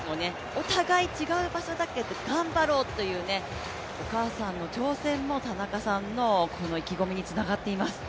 お互い違う場所だけど頑張ろうというお母さんの挑戦も田中さんのこの意気込みにつながっています。